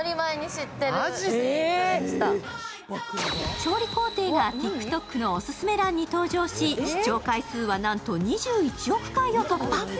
調理工程がＴｉｋＴｏｋのおすすめ欄に登場し視聴回数はなんと２１億回を突破。